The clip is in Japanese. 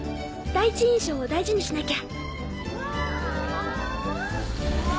第一印象を大事にしなきゃ。